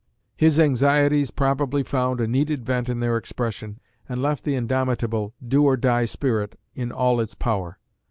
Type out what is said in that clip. His anxieties probably found a needed vent in their expression, and left the indomitable do or die spirit in all its power.